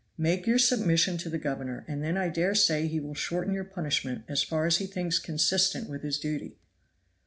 Make your submission to the governor, and then I dare say he will shorten your punishment as far as he thinks consistent with his duty."